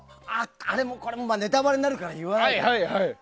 あれもこれもネタバレになるから言わないけど。